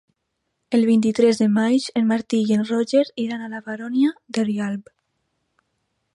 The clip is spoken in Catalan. El vint-i-tres de maig en Martí i en Roger iran a la Baronia de Rialb.